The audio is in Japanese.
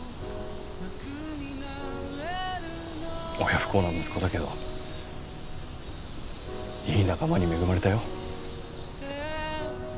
親不孝な息子だけどいい仲間に恵まれたよ。